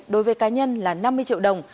đối với cá nhân là năm mươi triệu đồng